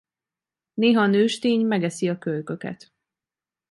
Néha a nőstény megeszi a kölyköket.